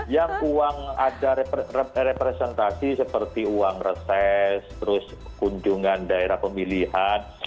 yang uang ada representasi seperti uang reses terus kunjungan daerah pemilihan